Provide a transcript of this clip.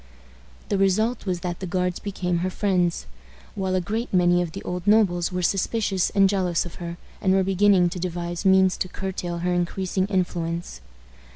The result was that the Guards became her friends, while a great many of the old nobles were suspicious and jealous of her, and were beginning to devise means to curtail her increasing influence.